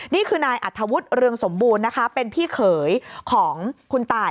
นี่คือนายอัธวุฒิเรืองสมบูรณ์นะคะเป็นพี่เขยของคุณตาย